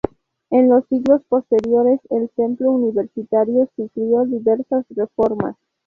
En los siglos posteriores el templo universitario sufrió diversas reformas.